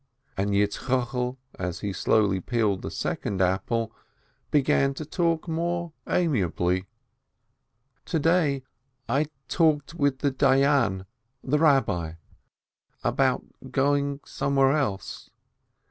And Yitzchokel, as he slowly peeled the second apple, began to talk more amiably: "To day I talked with the Dayan about going some where else.